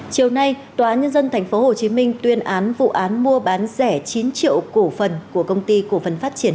chiều nay tòa nhân dân tp hcm tuyên án vụ án mua bán rẻ chín triệu cổ phần của công ty cổ phần phát triển